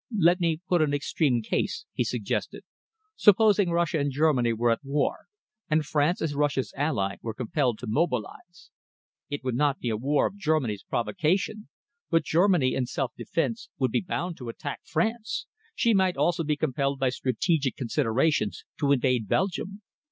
"Let me put an extreme case," he suggested. "Supposing Russia and Germany were at war, and France, as Russia's ally, were compelled to mobilise. It would not be a war of Germany's provocation, but Germany, in self defence, would be bound to attack France. She might also be compelled by strategic considerations to invade Belgium.